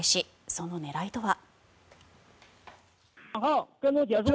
その狙いとは。